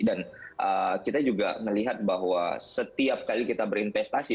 dan kita juga melihat bahwa setiap kali kita berinvestasi